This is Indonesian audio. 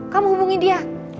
kamu hubungi dia